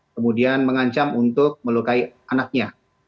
kemudian mengancam untuk melukai anaknya